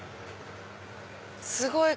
すごい！